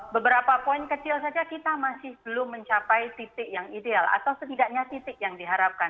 beberapa poin kecil saja kita masih belum mencapai titik yang ideal atau setidaknya titik yang diharapkan